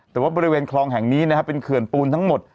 แต่ว่าบริเวณคลองแห่งนี้นะครับเป็นเขื่อนปูนทั้งหมด